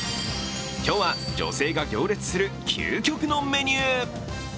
今日は女性が行列する究極のメニュー。